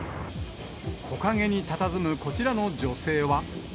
木陰にたたずむこちらの女性